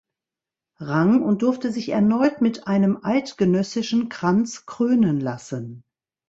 Rang und durfte sich erneut mit einem Eidgenössischen Kranz krönen lassen.